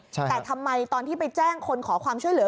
แต่ทำไมตอนที่ไปแจ้งคนขอความช่วยเหลือ